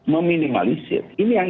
meminimalisir ini yang